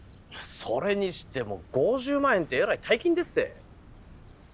それにしても５０万円ってえらい大金でっせ。